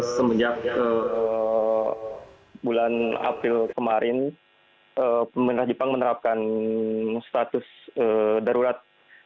semenjak bulan april kemarin pemerintah jepang menerapkan status darurat